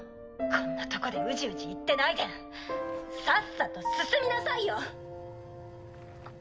こんなとこでうじうじ言ってないでさっさと進みなさいよ。